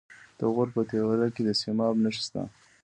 د غور په تیوره کې د سیماب نښې شته.